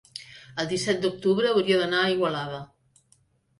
el disset d'octubre hauria d'anar a Igualada.